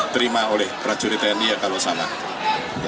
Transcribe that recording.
terima oleh prajurit tni ya kalau salah